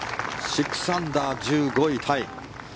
６アンダー、１５位タイ。